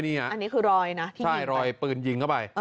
อันนี้คือรอยนะที่มีรอยปืนยิงเข้าไป